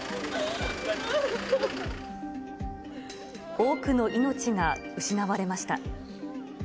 多くの命が失われました。